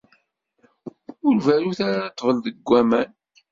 Ur berrut ara i ṭṭbel deg waman.